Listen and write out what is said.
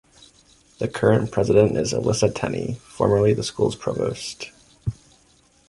The current president is Elissa Tenny, formerly the school's provost.